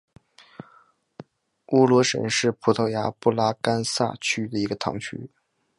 乌罗什是葡萄牙布拉干萨区的一个堂区。